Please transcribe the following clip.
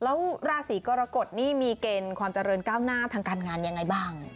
แล้วราศีกรกฎนี่มีเกณฑ์ความเจริญก้าวหน้าทางการงานยังไงบ้าง